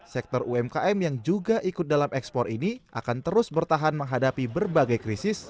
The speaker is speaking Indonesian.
sektor umkm yang juga ikut dalam ekspor ini akan terus bertahan menghadapi berbagai krisis